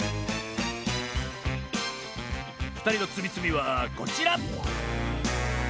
ふたりのつみつみはこちら！